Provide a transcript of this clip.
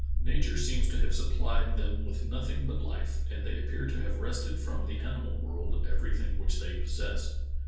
Nature seems to have suppHed them with nothing but life, and they appear to have wrested from the ani mal world everything which they possessed.